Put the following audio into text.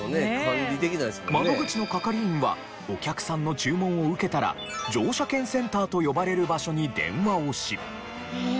窓口の係員はお客さんの注文を受けたら乗車券センターと呼ばれる場所に電話をし。